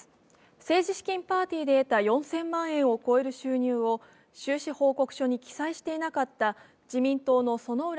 政治資金パーティーで得た４０００万円の収入を収支報告書に記載していなかった自民党の薗浦